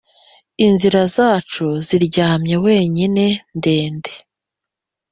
inzira zacu ziryamye wenyine, ndende,